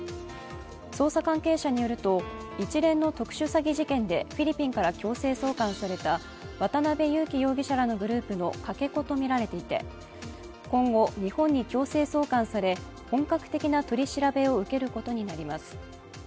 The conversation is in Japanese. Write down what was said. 捜査関係者によると、一連の特殊詐欺事件でフィリピンから強制送還された渡辺優樹容疑者らのグループのかけ子とみられていて、今後、日本に強制送還され、本格的な取り調べを受けることになります。